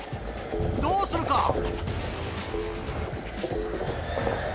どうするか？